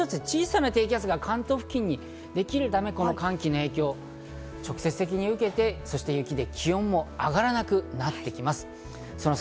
小さな低気圧が関東付近にできるため、この寒気の影響を直接的に受けて、雪で気温も上がらなくなってきます。